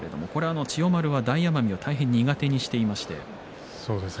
千代丸は大奄美を苦手にしています。